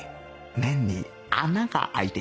麺に穴が開いている